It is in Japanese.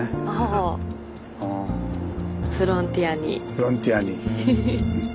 フロンティアに。